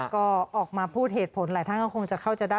ก็ออกมาพูดเหตุผลหลายท่านก็คงจะเข้าใจได้